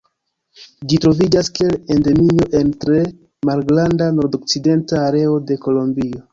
Ĝi troviĝas kiel endemio en tre malgranda nordokcidenta areo de Kolombio.